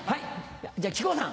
じゃ木久扇さん。